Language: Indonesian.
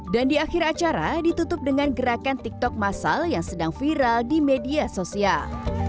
dan di akhir acara ditutup dengan gerakan tiktok massal yang sedang viral di media sosial